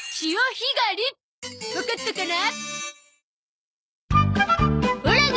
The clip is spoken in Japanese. わかったかな？